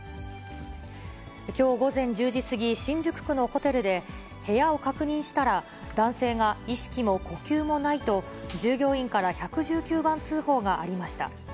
きょう午前１０時過ぎ、新宿区のホテルで、部屋を確認したら、男性が意識も呼吸もないと、従業員から１１９番通報がありました。